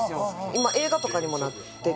今映画とかにもなってて。